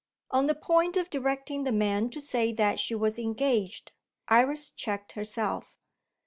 On the point of directing the man to say that she was engaged, Iris checked herself.